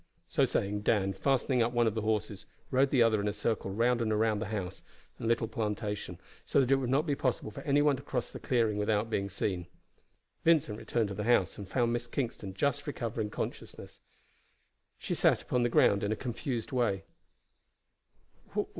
So saying, Dan, fastening up one of the horses, rode the other in a circle round and round the house and little plantation, so that it would not be possible for any one to cross the clearing without being seen. Vincent returned to the house, and found Miss Kingston just recovering consciousness. She sat upon the ground in a confused way.